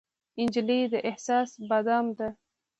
نجلۍ د احساس بادام ده.